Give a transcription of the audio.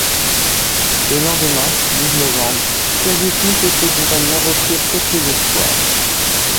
Le lendemain, douze novembre, Cyrus Smith et ses compagnons reprirent quelque espoir.